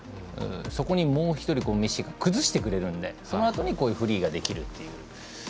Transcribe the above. そこにもう１人メッシが崩してくれるのでそのあとにフリーができるという。